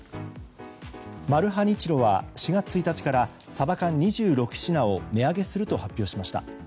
マルハニチロは、４月１日からサバ缶２６品を値上げすると発表しました。